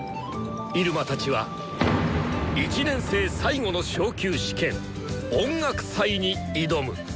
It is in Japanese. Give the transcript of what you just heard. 入間たちは１年生最後の昇級試験「音楽祭」に挑む！